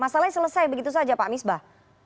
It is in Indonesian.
masalahnya selesai begitu saja pak misbah